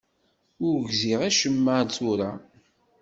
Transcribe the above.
Ur gziɣ acemma ar tura.